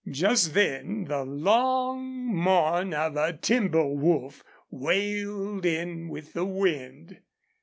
Just then the long mourn of a timber wolf wailed in with the wind.